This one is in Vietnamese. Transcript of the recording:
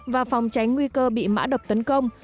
và phòng tránh nguy cơ bị mã độc tấn công